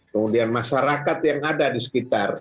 kemudian masyarakat yang ada di sekitar